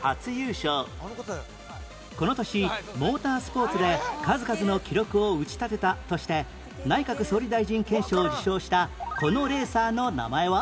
この年モータースポーツで数々の記録を打ち立てたとして内閣総理大臣顕彰を受賞したこのレーサーの名前は？